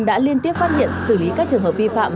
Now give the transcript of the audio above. đã liên tiếp phát hiện xử lý các trường hợp vi phạm